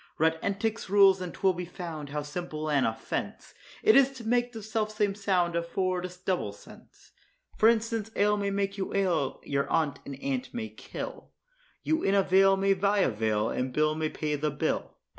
Read Entick's rules, and 'twill be found, how simple an offence It is to make the self same sound afford a double sense. For instance, ale may make you ail, your aunt an ant may kill, You in a vale may buy a veil and Bill may pay the bill.